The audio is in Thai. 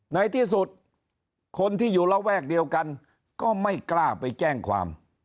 ในที่สุดคนที่อยู่ระแวกเดียวกันก็ไม่กล้าไปแจ้งความ